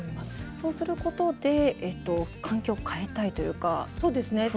そうすることで環境を変えたいというか不安をなくしたい？